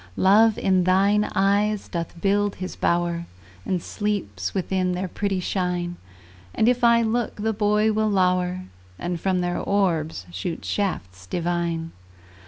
Love in thine eyes doth build his bower, And sleeps within their pretty shine; And if I look, the boy will lower, And from their orbs shoot shafts divine.